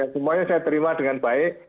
semuanya saya terima dengan baik